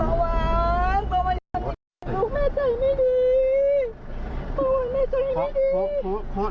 แล้วก็มันมาทั่วไป